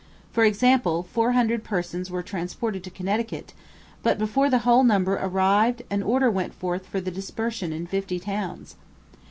For example, four hundred persons were transported to Connecticut; but before the whole number arrived an order went forth for their dispersion in fifty towns.